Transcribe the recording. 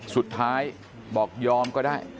สุดท้ายบอกยอมก็ได้